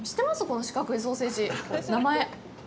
この四角いソーセージ、名前。